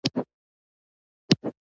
ترموز له یخنۍ سره مبارزه کوي.